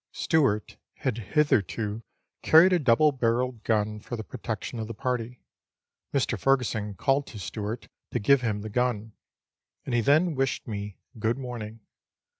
Stewart had hitherto carried a double barrelled gun for the protection of the party. Mr. Fergusson called to Stewart to give him the gun, and he then wished me " good morning."